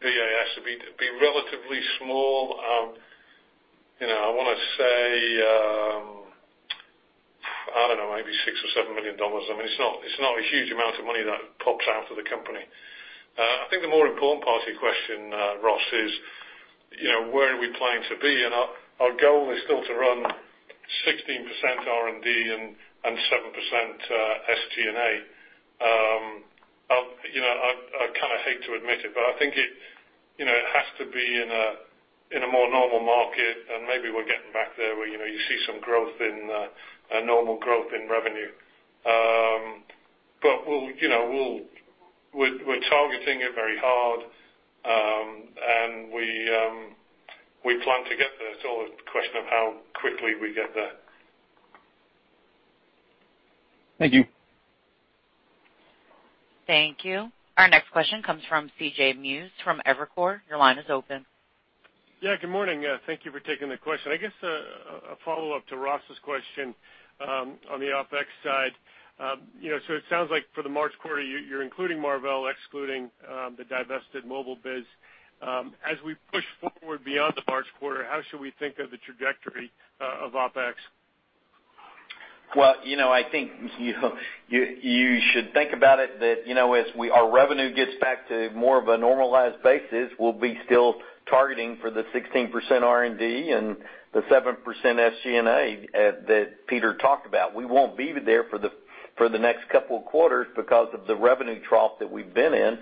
VAS would be relatively small. I want to say, I don't know, maybe $6 or $7 million. I mean, it's not a huge amount of money that pops out of the company. I think the more important part of your question, Ross, is where are we planning to be? Our goal is still to run 16% R&D and 7% SG&A. I kind of hate to admit it, I think it has to be in a more normal market and maybe we're getting back there where you see some normal growth in revenue. We're targeting it very hard, and we plan to get there. It's all a question of how quickly we get there. Thank you. Thank you. Our next question comes from CJ Muse from Evercore. Your line is open. Yeah, good morning. Thank you for taking the question. I guess a follow-up to Ross's question on the OpEx side. It sounds like for the March quarter, you're including Marvell, excluding the divested mobile biz. As we push forward beyond the March quarter, how should we think of the trajectory of OpEx? Well, I think you should think about it that as our revenue gets back to more of a normalized basis, we'll be still targeting for the 16% R&D and the 7% SG&A that Peter talked about. We won't be there for the next couple of quarters because of the revenue trough that we've been in.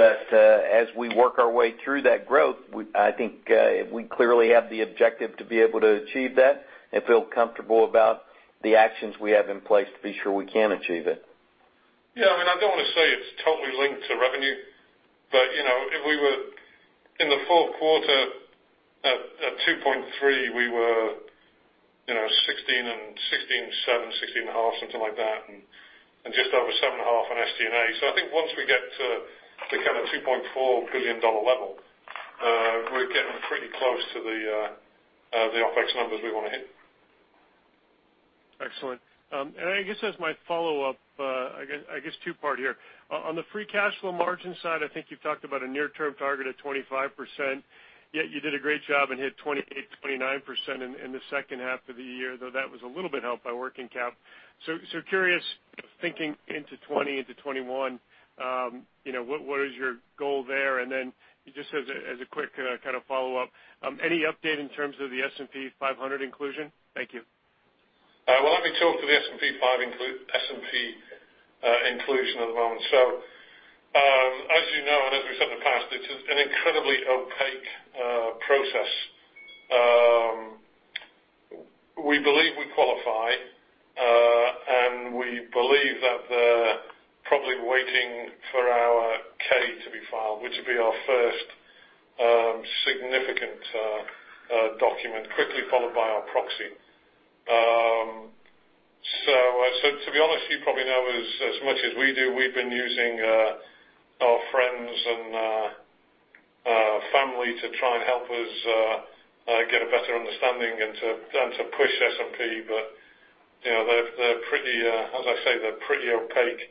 As we work our way through that growth, I think we clearly have the objective to be able to achieve that and feel comfortable about the actions we have in place to be sure we can achieve it. I don't want to say it's totally linked to revenue. In the Q4 at $2.3 billion, we were 16.7%, 16.5%, something like that, and just over 7.5% on SG&A. I think once we get to the kind of $2.4 billion level, we're getting pretty close to the OpEx numbers we want to hit. Excellent. I guess as my follow-up, I guess two-part here. On the free cash flow margin side, I think you've talked about a near-term target of 25%, yet you did a great job and hit 28%, 29% in the H2 of the year, though that was a little bit helped by working cap. Curious, thinking into 2020, into 2021, what is your goal there? Then just as a quick follow-up, any update in terms of the S&P 500 inclusion? Thank you. Let me talk to the S&P inclusion at the moment. As you know, and as we've said in the past, it's an incredibly opaque process. We believe we qualify, and we believe that they're probably waiting for our K to be filed, which will be our first significant document, quickly followed by our proxy. To be honest, you probably know as much as we do, we've been using our friends and family to try and help us get a better understanding and to push S&P. As I say, they're pretty opaque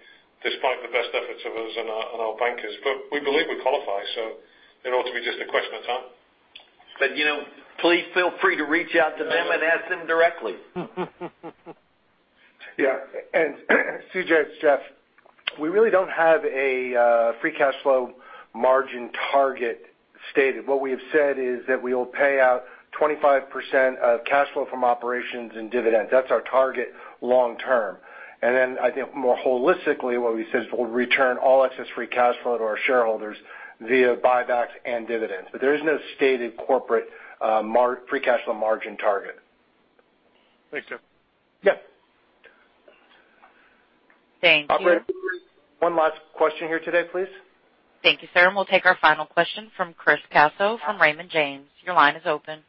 despite the best efforts of us and our bankers. We believe we qualify, it ought to be just a question of time. Please feel free to reach out to them and ask them directly. Yeah. CJ, it's Jeff. We really don't have a free cash flow margin target stated. What we have said is that we will pay out 25% of cash flow from operations and dividends. That's our target long term. I think more holistically, what we said is we'll return all excess free cash flow to our shareholders via buybacks and dividends. There is no stated corporate free cash flow margin target. Thanks, Jeff. Yeah. Thank you. Operator, one last question here today, please. Thank you, sir. We'll take our final question from Chris Caso from Raymond James. Your line is open.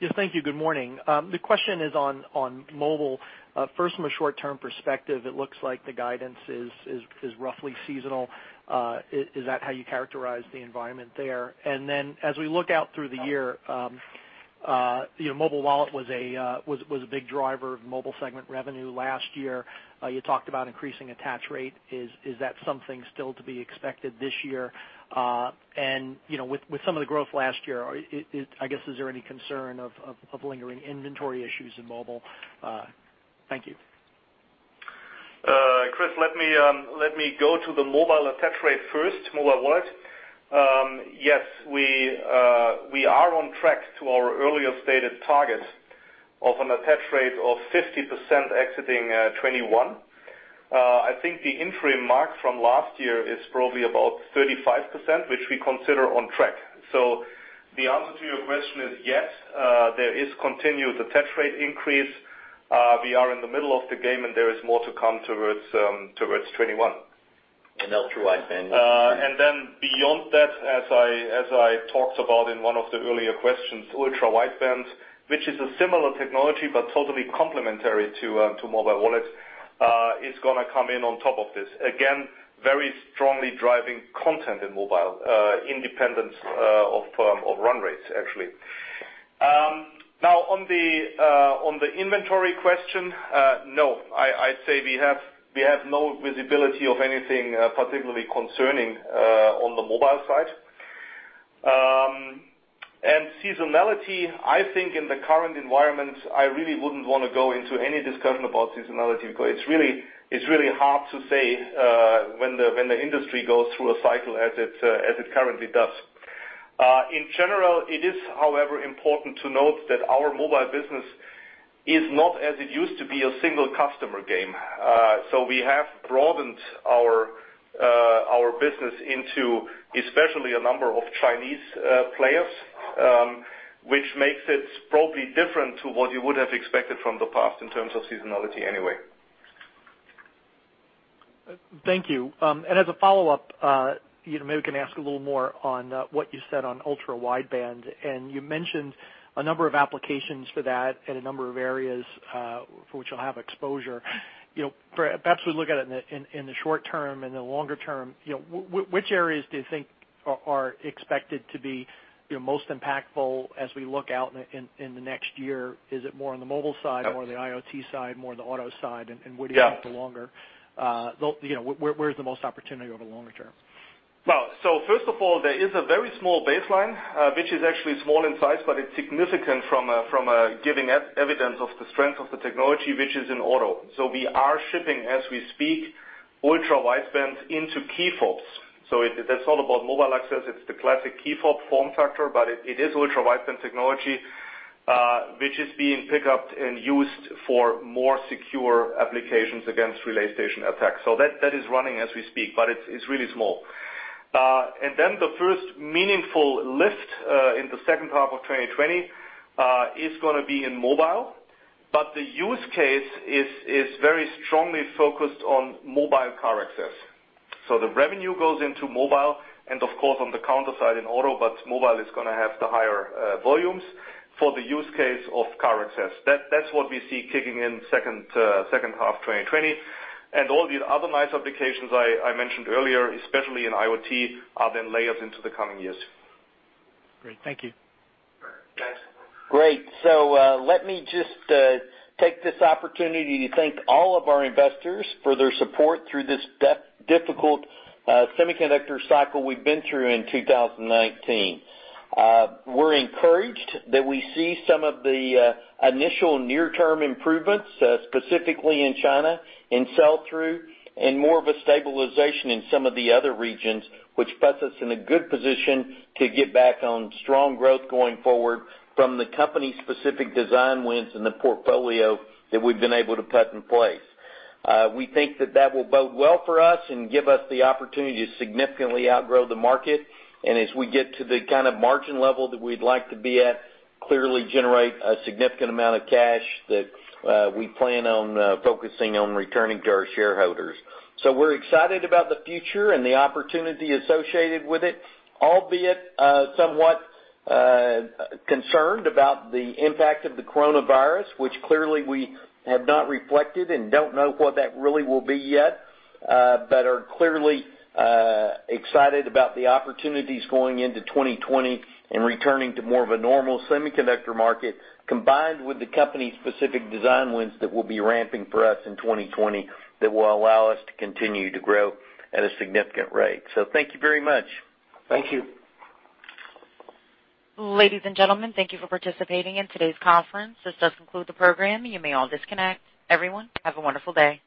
Yes, thank you. Good morning. The question is on mobile. First, from a short-term perspective, it looks like the guidance is roughly seasonal. Is that how you characterize the environment there? As we look out through the year, mobile wallet was a big driver of mobile segment revenue last year. You talked about increasing attach rate. Is that something still to be expected this year? With some of the growth last year, I guess, is there any concern of lingering inventory issues in mobile? Thank you. Chris, let me go to the mobile attach rate first, mobile wallet. Yes, we are on track to our earlier stated target of an attach rate of 50% exiting 2021. I think the interim mark from last year is probably about 35%, which we consider on track. The answer to your question is yes, there is continued attach rate increase. We are in the middle of the game and there is more to come towards 2021. Ultra-wideband. Beyond that, as I talked about in one of the earlier questions, ultra-wideband, which is a similar technology, but totally complementary to mobile wallet, is going to come in on top of this. Again, very strongly driving content in mobile, independent of run rates, actually. Now on the inventory question, no, I'd say we have no visibility of anything particularly concerning on the mobile side. Seasonality, I think in the current environment, I really wouldn't want to go into any discussion about seasonality, because it's really hard to say when the industry goes through a cycle as it currently does. In general, it is however important to note that our mobile business is not as it used to be a single customer game. We have broadened our business into especially a number of Chinese players, which makes it probably different to what you would have expected from the past in terms of seasonality anyway. Thank you. As a follow-up, maybe I can ask a little more on what you said on ultra-wideband, and you mentioned a number of applications for that in a number of areas for which you'll have exposure. Perhaps we look at it in the short term and the longer term, which areas do you think are expected to be most impactful as we look out in the next year? Is it more on the mobile side or the IoT side, more on the auto side? Where do you think the longer- Yeah where's the most opportunity over the longer term? First of all, there is a very small baseline, which is actually small in size, but it's significant from giving evidence of the strength of the technology which is in auto. We are shipping, as we speak, ultra-wideband into key fobs. That's all about mobile access. It's the classic key fob form factor, but it is ultra-wideband technology, which is being picked up and used for more secure applications against relay station attacks. That is running as we speak, but it's really small. The first meaningful lift in the H2 of 2020 is going to be in mobile, but the use case is very strongly focused on mobile car access. The revenue goes into mobile and of course on the counter side in auto, but mobile is going to have the higher volumes for the use case of car access. That's what we see kicking in H2 2020. All these other nice applications I mentioned earlier, especially in IoT, are then layers into the coming years. Great. Thank you. Thanks. Great. Let me just take this opportunity to thank all of our investors for their support through this difficult semiconductor cycle we've been through in 2019. We're encouraged that we see some of the initial near-term improvements, specifically in China, in sell-through, and more of a stabilization in some of the other regions, which puts us in a good position to get back on strong growth going forward from the company-specific design wins in the portfolio that we've been able to put in place. We think that that will bode well for us and give us the opportunity to significantly outgrow the market. As we get to the kind of margin level that we'd like to be at, clearly generate a significant amount of cash that we plan on focusing on returning to our shareholders. We're excited about the future and the opportunity associated with it, albeit somewhat concerned about the impact of the coronavirus, which clearly we have not reflected and don't know what that really will be yet. Are clearly excited about the opportunities going into 2020 and returning to more of a normal semiconductor market combined with the company-specific design wins that will be ramping for us in 2020 that will allow us to continue to grow at a significant rate. Thank you very much. Thank you. Ladies and gentlemen, thank you for participating in today's conference. This does conclude the program. You may all disconnect. Everyone, have a wonderful day.